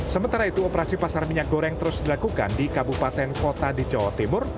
sementara itu operasi pasar minyak goreng terus dilakukan di kabupaten kota di jawa timur